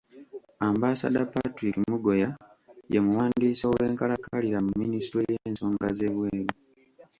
Ambassador Patrick Mugoya ye muwandiisi owenkalakkalira mu minisitule y'ensonga z'ebweru.